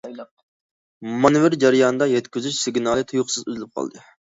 مانېۋىر جەريانىدا، يەتكۈزۈش سىگنالى تۇيۇقسىز ئۈزۈلۈپ قالدى.